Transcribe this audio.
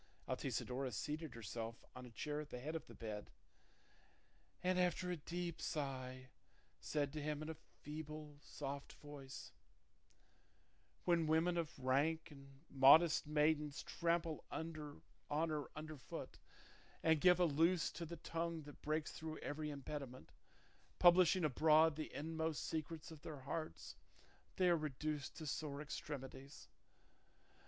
Altisidora seated herself on a chair at the head of the bed, and, after a deep sigh, said to him in a feeble, soft voice, "When women of rank and modest maidens trample honour under foot, and give a loose to the tongue that breaks through every impediment, publishing abroad the inmost secrets of their hearts, they are reduced to sore extremities.